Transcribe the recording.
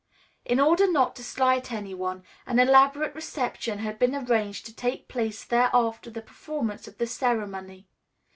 In order not to slight anyone, an elaborate reception had been arranged to take place there after the performance of the ceremony.